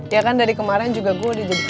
ya kan dari kemarin juga gua udah jadi klien lu